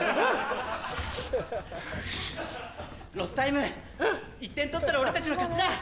ロスタイム１点取ったら俺たちの勝ちだ！